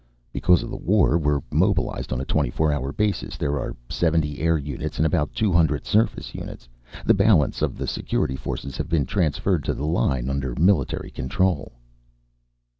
"Because of the war we're mobilized on a twenty four hour basis. There are seventy air units and about two hundred surface units. The balance of the Security forces have been transferred to the line, under military control."